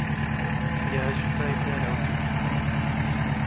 Les résultats étaient à la hauteur.